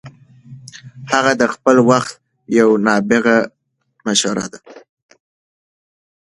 هغه د خپل وخت یو نابغه مشر و.